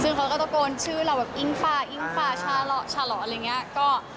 ซึ่งเขาก็ตะโกนชื่อเราแบบอิงฟ้าอิงฟ้าชาหล่ออะไรอย่างนี้